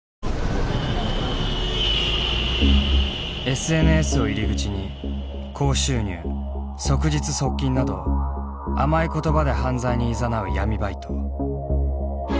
ＳＮＳを入り口に高収入即日即金など甘い言葉で犯罪にいざなう闇バイト。